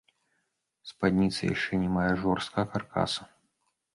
Спадніца яшчэ не мае жорсткага каркаса.